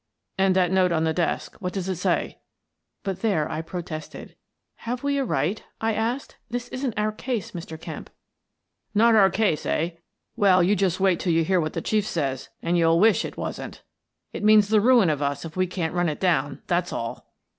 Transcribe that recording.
"And that note on the desk — what does it say?" But there I protested. " Have we a right? " I asked. " This isn't our case, Mr. Kemp." " Not our case, eh? Well, just you wait till you hear what the Chief says, and you'll wish it wasn't 1 It means the ruin of us if we can't run it down, that's all."